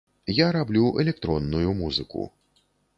Я раблю электронную музыку.